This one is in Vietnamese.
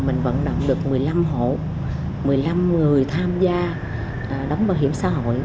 mình vận động được một mươi năm hộ một mươi năm người tham gia đóng bảo hiểm xã hội